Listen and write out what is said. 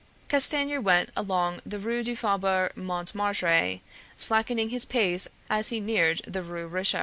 Castanier went along the Rue du Faubourg Montmartre, slackening his pace as he neared the Rue Richer.